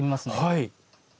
はい。